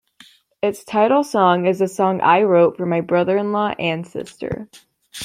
Its title song is a song I wrote for my brother-in-law and sister.